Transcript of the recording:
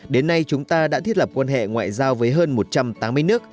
đến nay chúng ta đã thiết lập quan hệ ngoại giao với hơn một trăm tám mươi nước